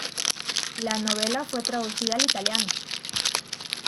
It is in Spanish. La novela fue traducida al italiano.